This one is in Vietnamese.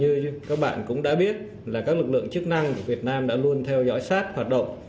như các bạn cũng đã biết là các lực lượng chức năng của việt nam đã luôn theo dõi sát hoạt động